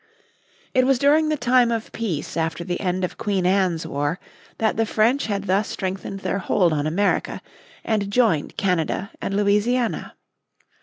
It was during the time of peace after the end of Queen Anne's War that the French had thus strengthened their hold on America and joined Canada and Louisiana.